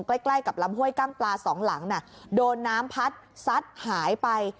ใกล้ใกล้กับลำห้วยกั้งปลาสองหลังโดนน้ำพัดซัดหายไป